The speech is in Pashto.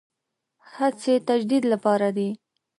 هڅې تجدید لپاره دي.